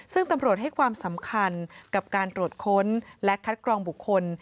ซึ่งตำรวจให้ความสำคัญกับการตรวจค้นและคัดกรองบุคคล